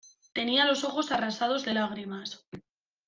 Tenía los ojos arrasados de lágrimas.